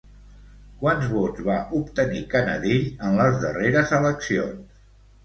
Quants vots va obtenir Canadell en les darreres eleccions?